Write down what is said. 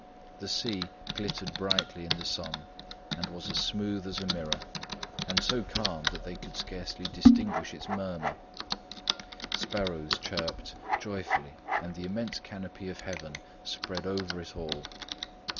The sea glittered brightly in the sun and was as smooth as a mirror, and so calm that they could scarcely distinguish its murmur; sparrows chirped joyfully and the immense canopy of heaven spread over it all.